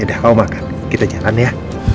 ya udah kamu makan kita jalan ya